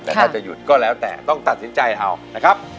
แต่ถ้าจะหยุดก็แล้วแต่ต้องตัดสินใจเอานะครับ